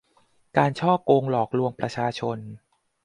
การฉ้อโกงหลอกลวงประชาชน